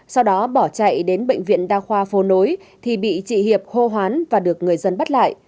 sau đó bỏ chạy đến bệnh viện đa khoa phố nối thì bị chị hiệp hô hoán và được người dân bắt lại